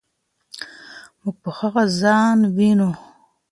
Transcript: موږ په هغه کې ځان وینو.